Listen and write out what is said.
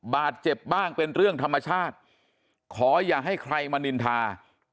บาดเจ็บบ้างเป็นเรื่องธรรมชาติขออย่าให้ใครมานินทา